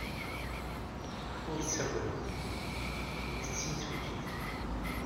Ur ttaggadet. Nekk d timsujjit.